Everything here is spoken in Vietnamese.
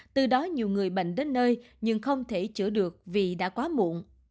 từ đó nhiều người bệnh đến nơi nhưng không thể chữa được vì đã quá muộn